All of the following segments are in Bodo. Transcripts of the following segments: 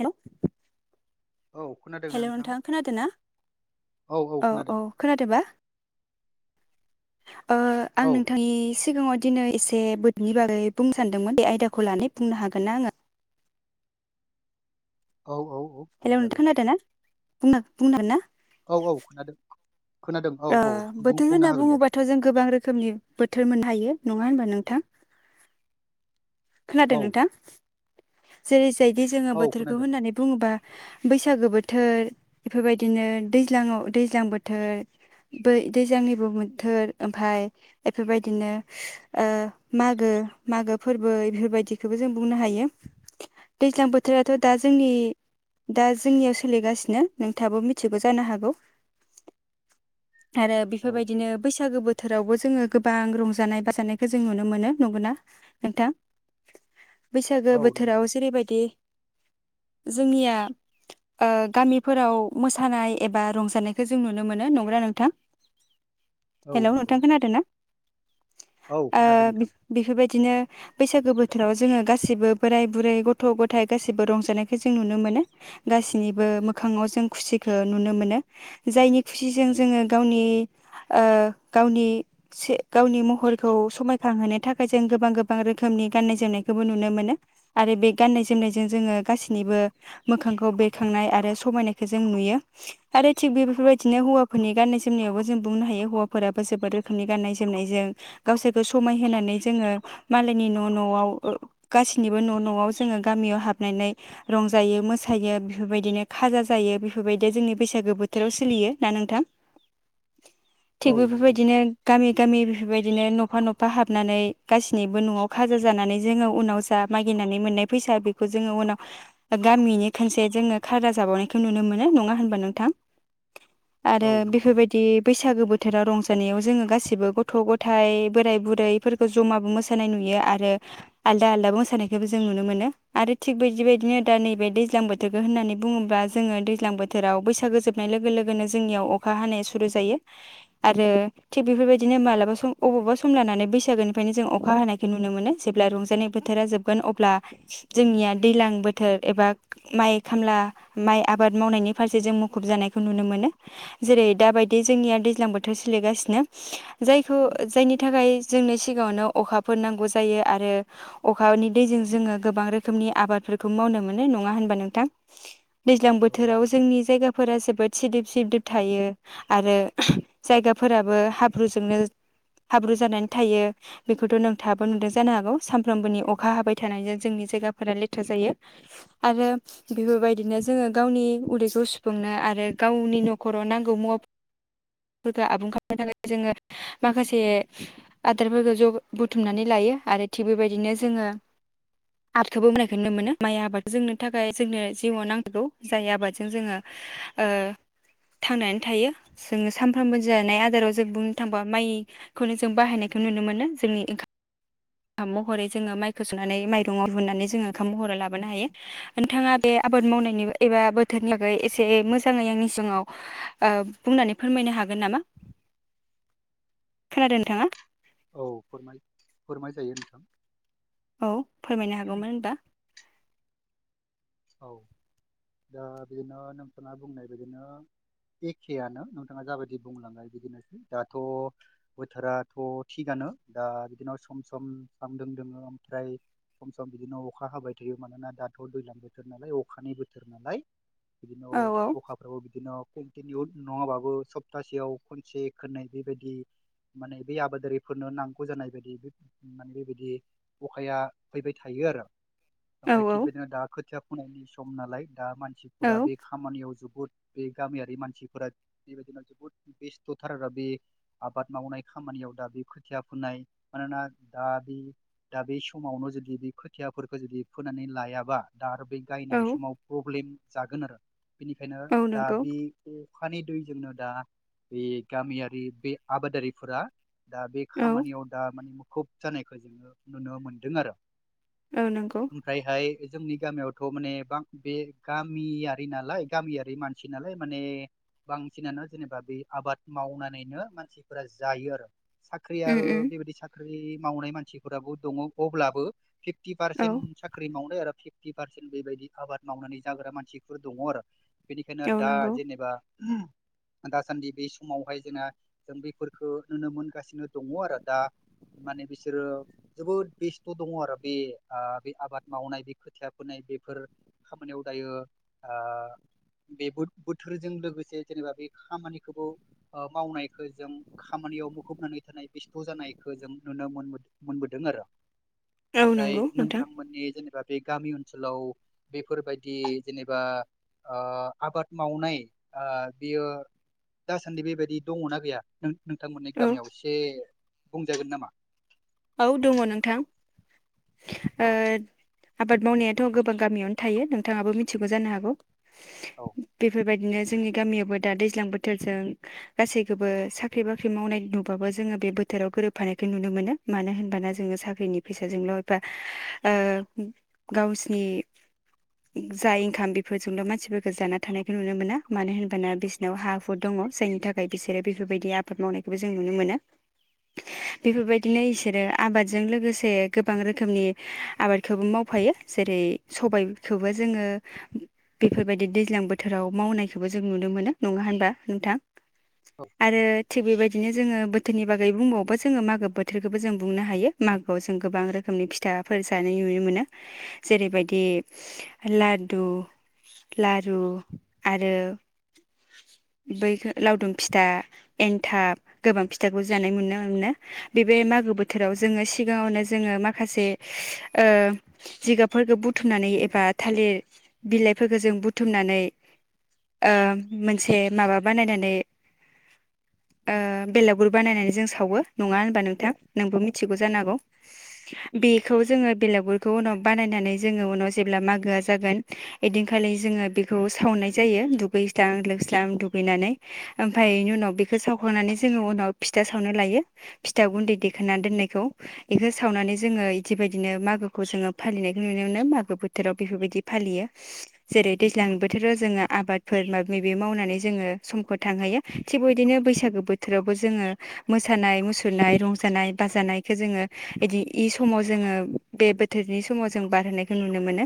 हेल' औ खोनादोंना हेल' नोंथां खोनादों ना औ औ खोनादोबा ओ आं औ नोंथांनि सिगाङाव दिनै एसे बैनि बागै बुंनो सान्दोंमोन बे आयदाखौ लानानै बुंनो हागोननाा आङो औ औ औ हेल' नोंथां बुंजागोन खोनादोंना बुंना बुंनो हगोना औ औ खोनादों खोनादों औ ओ औ बोथोर बुंनो होनना हागोन दे बुङोबाथ' जों गोबां रोखोमनि बोथोर मोननो हायो। नङा होमबा नोंथां खोनादों औ नोंथां जेरै बायदि जोङो औ बोथोरखौ खोनादों होननानै बुङोब्ला बैसागो बोथोर बेफोरबायदिनो दैज्लाङाव दैज्लां बोथोर बै दैज्लांनिबो बोथोर ओमफफ्राय बेफोरबायदिनो ओ मागो मागो फोरबो बेफोरबायदिखौबो जों बुंनो हायो। दैज्लां बो बोथोराथ' दा औ जोंनि दा जोंनियाव सोलिगासिनो नोंथाबो मिथिगौ जानो हागौ। आरो औ बेफोरबायदिनो बैसागो बोथोरावबो जों जोङो गोबां रंजानाय बाजानायखौ जों नुनो मोनो नंगौना नोंथां। बैसागो औ नंगौ बोथोराव जेरैबायदि जोंनिया ओ गामिफोराव मोसानाय एबा रंजानायखौ जों नुनो मोनो नोंगना नोंथां औ हेलौ नोंथां नंगौ खोनादों ना औ ओ खोनादों नोंथां बेफोरबायदिनो बैसागो बोथोराव जोङो गासिबो बोराय-बुरै गथ'-गथाय गाैबो रंजानायखौ जों नुनो मोनो गासिनिबो मोखाङाव जों खुसिखौ नुनो मोनो। जायनि खुसिजों जोङो गावनि ओ गावनि से गावनि महरखौ समायखांहोनो थाखाय जों गोबां गोबां रोखोमनि गान्नाय जोमनायखौबो नुनो मोनो आरो बे गान्नाय जोमनायजों जोङो गासैनिबो मोखांखौ बेरखांनाय आरो समायनायखौ जों नुयो आरो थिग बेफोरबायदि बिदिनो हौवाफोरनि गाननाय जोमनायावबो जों बुंनो हायो हौवाफोराबो जोबोद रोखोमनि गाननाय जोमनायजों गावसोरखौ समायहानै जोङो मालायनि न' न'आव गासैनिबो न' न'आव जोङो गामियाव हाबनानै रंजायो मोसायो बेफोरबायदिनो खाजा जायो बेफोरबायदि जोंनि बैसागो बोथोराव सोलियो दा नोंथां औ थिग नंगौ बेफोरबायदिनो गामि गामि बेफोरबायदिनो नफा नफा हाबनानै गाससिनिबो नआव खाजा जानानै जोंङो उनाव जा मागिनानै मोननाय फैसा बेखौ जोंङो उनाव गामिनि खनसे जोंङो खाजा जाबावनायखौ नुनो मोनो नङा होनबा नोंथां आरो औ नंगौ बेफोरबायदि नोंथां बैसागो बोथोराव रंजानायाव जोंङो गासिबो गथ गथाय बोराय बुरैफोरखौ जमाबो मोसानाय नुयो आरो आलादा आलादा मोसानायखौबो जों नुनो मोनो आरो थिग बिदि बायदिनो दा नैबे दैज्लां बोथोरखौ होननानै बुंङोबा जोंङो दैज्लां बोथोराव बैसागो जोबनाय लोगो लोगोनो ज जोंनियाव अखा हानाय सुरु जायो आरो थिग बेफोरबायदिनो मालाबा सम अबावबा सम लानानै बैसागोनिफ्रायनो जों अखा हानायखौ नुनो मोनो जेब्ला रंजानाय बोथोरा जोबगोन अब्ला जोंनिया दैज्लां बोथोर एबा माइ खामला माइ आबाद मावनायनि फारसे जों मुखुब जानायखौ नुनो मोनो। जेरै दााबायदि जोंनिया दैज्लां बोथोर सोलिगासिनो जायखौ जायनि थाखाय जोंनो सिगांङावनो अखाफोर नांगौ जायो आरो अखानि दैजों जोंङो गोबां रोखोमनि आबादफोरखौ मावनो मोनो नंङा होनबा नोंथां? दैज्लां औ बोथोराव नंगौ जोंनि जायगाफोरा जोबोद सिदिब सिदिब थायो आरो जायगाफोराबो हाब्रुजोंनो हाब्रु जानानै थायो बेखौथ' नोंथाङाबो नुदों जानो हागौ सानफ्रोमबोनि अखा हाबाय थानायजों जोंनि जायगाफोरा लेथ्रा जायो आरो बेफोरबायदिनो जोंङो गावनि उदैखौ सुफुंनो आरो गाव नि नखराव नांगौ मुवाफोरखौ आबुं खालामनो थाखाय जोंङो माखासे आदारफोरखौ जबुथुमनानै लायो आरो थिग बेबायदिनो जोंङो आबखौबो बुंनायखौ मोनो माइ आबाद जोंनो थाखाय जोंनो जिउआव नांगौ जाय आबादजों जोंङो ओ थांनानै थायो जोङो सामफ्रामबो जानाय आदाराव जों बुंनो थांबा माइखौनो जों बाहायनायखौ नुनो मोनो जोंनि ओंखाम महरै जोंङो माइखौ सुनानै माइरं आव रुनानै जोंङो ओंखाम महराव लाबोनो हायो नोंथांङा बे आबाद मावनायनि एबा बोथोरनि थाखायै एसे मोजाङै आंनि सिगांङाव बुंनानै फोरमायनो हागोन नामा खोनादों नोंथांङा औ फोरमाय फोरमायजायो नोंथां। औ फोरमायनो हागौमोन होनबा औ दा बिदिनो नोंथाङा बुंनाय बदिनो एखे आनो नोंथाङा जाबायदि बुंलङो बिदिनोसै दाथ बोथोराथ थिगानो दा बिदिनो सम सम साम दों दंङो ओमफ्राय सम सम बिदिनो अखा हाबाय थायो मानोना दाथ दैजलां बोथोर बोथोर नालाय अखानि बोथोर नालाय। बिदिनो औ औ अखाफ्राबो बिदिनो दिन नङाबाबो सप्तासेयाव खनसे खननै बेबायदि माने बे आबादारिफोरनो नांगौ जानाय बायदि बे माने बेबायदि अखाया फैबाय थायो आरो औ ओनफ्राय औ थिग बिदिनो दा खोथिया सम नालाय। दा औ मानसिफोरा बे खामानियाव जोबोद बे गामियारि मानसिफोरा बेबायदिनो जोबोद बेस्थथार आरो बे आबाद मावनाय खामानियाव दा बे खोथिया फोनाय मानोना दा बे दा बे समावनो जुदि बे खोथियाफोरखौ जुदि फोनानै लायाबा दा आरो बे गायनाय समाव प्रब्लेम जागोन आरो बेनिखायनो औ दा नंगौ बे माने दैजोंनो दा बे गामियारि बे आबादारिफोरा दा बे औ खामानियाव दा माने खुब जानायखौ जोंङो नुनो मोनदों आरो औ नंगौ। बे जोंनि गामियाव बेखौ माने बा बे गामियारि नालाय गामियारि मानसि नालाय माने बांसिनानो जेनेबा बे आबाद मावनानैनो मानसिफोरा जायो आरो साख्रिया उम उम बेबायदि साख्रि मावनाय मानसिफोराबो दंङ अब्लाबो फिफ्टि औ पारसेन्ट साख्रि मावनो आरो फिफ्ति। पारसेन बेबायदि आबाद मावनानै जाग्रा मानसिफोर दंङ आरो। बेनिखायनो औ दा नंगौ जेनेबा उम दासान्दि बे समावहाय जोंना जों बेफोरफोरखो नुनो मोनगासिनो दङ आरो दा माने बिसोरो जोबोद बेस्थ' दङ आरो बे ओ बे आबाद मावनाय बे खोथिया बोनाय बेफोर खामानियाव दायो ओ बेबो बोथोरजों लोगोसे जेनेबा बे खामानिखौबो ओ मावनायखौ जों खामानियाव मुखुबनानै थानाय बेस्थ' जानायखौ जों नुनो मोनबो मोनबोदों आरो। औ ओमफ्राय नंगौ नोंथां नोंथांमोननि जेनेबा बे गामि ओनसोलाव नोंथांमोननि औ गामियाव एसे बुंजागोन नामा? औ दङ नोंथां। औ ओ आबाद मावनायाथ' गोबां गामियावनो थायो नोंथाङाबो मिथिगौ जानो हागौ। औ बेफोरबाद बिदिनो जोंनि गामियावो दा दैज्लां बोथोरजों गासैखौबो साख्रि बाख्रि मावनाय नुबाबो जोङो बे बोथोराव गोरोबफानायखौ नुनो मोनो। मानो होनबाना जोङो साख्रिनि फैसाजोंल' एबा ओ गावसिनि जा इनकाम बेफोरजोंल' मानसिफोरखौ जाना थानायखौ नुनो मोना मानो होनबाना बिसिनाव हा हु दङ जायनि थाखाय बिसोरो बेफोरबायदि आबाद मावनायखौबो जों नुनो मोनो। बेफोरबायदि बिदिनो इसोरो आबादजों लोगोसे गोबां रोखोमनि आबादखौबो मावफायो जेरै सबायखौबो जोङो बेफोरबायदि दैज्लां बोथोराव मावनायखौबो जों नुनो मोनो नङा होनबा नोंथां औ आरो थिग बेबायदिनो जोङो बोथोरनि बागै बुंबावबो जोङो मागो बोथ बोथोरखौबो जों बुंनो हायो मागोआव जों गोबां रोखोमनि फिथाफोर जानाय नुनो मोनो जेरैबायदि लादु लारु आरो बै लावदुम फिथा एन्थाब गोबां फिथाखौ जानाय मोनु मोनो। बे बे मागो बोथोराव जोङो सिगाङावनो जोङो माखासे ओ जिगाबफोरखो बुथुमनानै एबा थालिर बिलाइफोरखो जों बुथुमनानै ओ मोनसे माबा बानायनानै ओ बेलागुर बानायनानै जों सावो नङा हो नोंथां नोंबो मिथ- थिगौ औ जानांगौ नंगौ बेखौ जोङो बेलागुरखौ उनाव बानायनानै जोङो उनाव जेब्ला मागोआ जागोन ओइदिनखालि जोङो बेखौ सावनाय जायो दुगैस्रां लोबस्रां दुगैनानै ओमफाय बेनि उनाव बेखो सावखांनानै जोङो उनाव फिथा सावनाय लायो। फिथा गुन्दै देखानानै दोननायखौ बेखौ सावनानै जोङो बिदिबायदिनो मागोखौ जोङो फालिनायखौ नुनो मोनो मागो बोथोराव बेफोरबायदि फालियो। जेरै दैज्लां बोथोराव जोङो आबादफोर माबि माबि मावनानै जोङो समखौ थांहैयो थिग बेबायदिनो बैसागो बोथोरावबो जोङो मोसानाय मुसु थुरनाय रंजानाय बाजानायखो जोङो इदि इ समाव जोङो बे बोथोरनि समाव जों बारहोनायखो नुनो मोनो।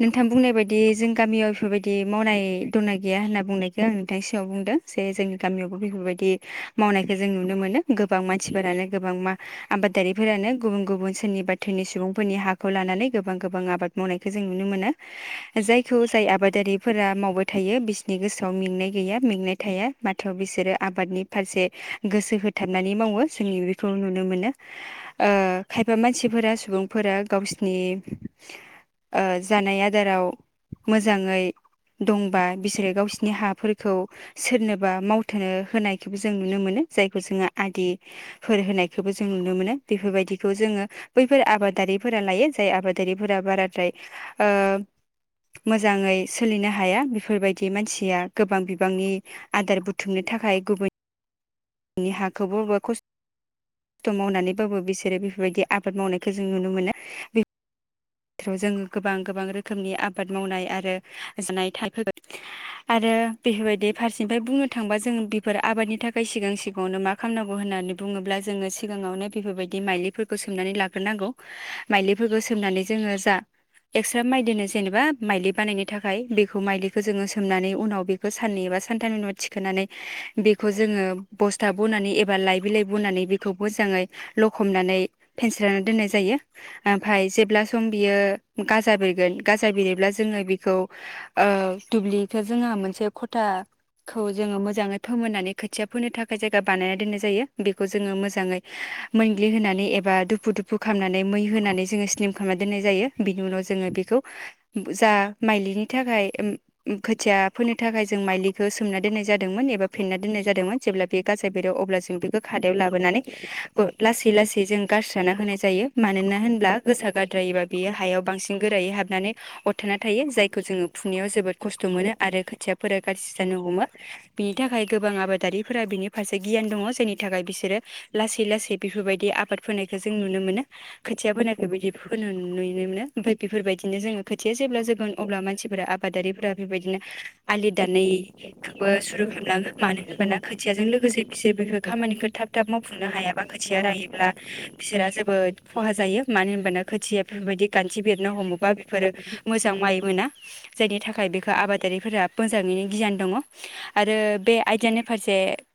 नोंथां बुंनाय बायदि जों गामियाव बेफोरबायदि मावनाय दंना गैया होनना बुंनायखो आं नोंथांनि सिगाङाव बुंदो जे जोंनि गामियावबो बेफोरबायदि मावनायखो जों नुनो मोनो। गोबां मानसिफोरानो गोबां मा आबादारिफोरानो गुबुन गुबुन सोरनि बााथोरनि सुबुंफोरनि हाखौ लानानै गोबां गोबां आबाद मावनायखो जों नुनो मोनो जाय खौ जाय आबादारिफोरा मावबाय थायो बिसोरनि गोसोआव मेंनाय गैया मेंनाय थाया माथ्र' बिसोरो आबादनि फारसे गोसो हो थाबनानै मावो जोंनि बेखौ नुनो मोनो। ओ खायफा मानसिफोरा सुबुंफोरा गावसिनि ओ जानाय आदाराव मोजाङै दंबा बिसोरो गावसिनि हाफोरखौ सोरनोबा मावथ'नो होनायखौबो जों नुनो मोनो जायखौ जोंहा आदिफोर होनायखोबो जों नुनो मोनो बेफोरबायदिखो जोङो बैफोर आबादारिफोरा लायो जाय आबादारिफोरा बाराद्राय ओ मोजाङै सोलिनो हाया बेफोरबायदि मानसिया गोबां बिबांनि आदार बुथुमनो थाखाय गुबुन नि हाखौबोबा खस्थ' मावनानैबाबो बिसोरो बेफोरबायदि आबाद मावनायखो जों नुनो मोनो। बि जों गोबां गोबां रोखोमनि आबाद मावनाय आरो जानाय [unintelligible] आरो बेफोरबायदि फारसेनिफ्राय बुंनो थांबा जों बेफोर आबादनि थाखाय सिगां सिगाङावनो मा खालामनांगौ होननानै बुङोब्ला जोङो सिगाङावनो बेफोरबायदि माइलिफोरखौ सोमनानै लाग्रोनांगौ। माइलिफोरखौ सोमनानै जोङो जा एक्स्रा माइ दोनो जेनेबा माइलि बानायनो थाखाय बेखौ माइलिखौ जोङो सोमनानै उनाव बेखो साननै एबा सानथामनि उनाव थिखोनानै बेखौ जोङो बस्था बनानै एबा लाइ बिलाइ बनानै बेखौ मोजाङै लखमनानै फेनस्रनानै दोननाय जायो ओमफ्राय जेब्ला सम बियो गाजा बेरगोन गाजा बेरोब्ला जोङो बेखौ ओ दुब्लिखो जोंहा मोनसे खथाखौ जोङो मोजाङै फोमोननानै खोथिया फोनो थाखाय जायगा बानायना दोननाय जायो बेखौ जोङो मोजाङै मोनग्लिहोनानै एबा दुफु दुफु खालामनानै मै होनानै जोङो स्लिम खामना दोननाय जायो बिनि उनाव जोङो बेखौ जा माइलिनि थाखाय ओ ओम खोथिया फोनो थाखाय जों माइलिखो सोमना दोननाय जादोंमोन एबा फेन्ना दोननाय जादोंमोन जेब्ला बे गाजा बेरो अब्ला जों बेखो खादायाव लाबोनानै बो लासै लासै जों गारस्राना होनाय जायो मानोना होनब्ला गोसा रायोबा बेयो हायाव बांसिन गोरायै हाबनानै अरथाना थायो जायखौ जोङो फुनायाव जोबोद खस्थ' मोनो आरो खोथियाफोरा गाज्रि जानो हमो बिनि थाखाय गोबां आबादारिफोरा बिनि फारसे गियान दङ जायनि थाखाय बिसोरो लासै लासै बेफोरबायदि आबाद फोनायखौ जों नुनो मोनो। खोथिया फोनायखौ बिदि होनो नुनो मोनो ओमफ्राय बेफोरबायदिनो जोङो खोथिया जेब्ला जौगोन अब्ला मानसिफोरा आबादारिफोरा बेफोरबायदिनो आलि दानायखौबो सुरु खालामलाङोन मानो होनबाना खोथियाजों लोगोसे बिसोर बेफोर खामानिखौ थाब थाब मावफुंनो हायाबा खोथिया रायोब्ला बिसोरा जोबोद खहा जायो मानो होनबाना खोथिया बेफोरबायदि गान्थि बेरनो हमोबा बेफोरो मोजां माइ मोना जायनि थाखाय बेखो आबादारिफोरा मोजाङैनो गियान दङ आरो बे आयदानि फारसे